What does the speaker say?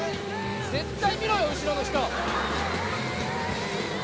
絶対見ろよ後ろの人！